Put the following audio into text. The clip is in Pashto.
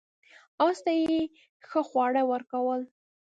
اس ته یې ښه خواړه ورکول.